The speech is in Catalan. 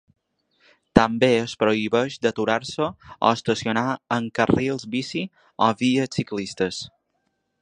També es prohibeix d’aturar-se o estacionar en carrils bici o vies ciclistes.